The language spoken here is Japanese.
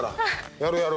やるやる。